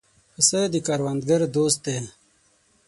پسه د کروندګرو دوست دی.